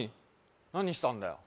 何したんだよ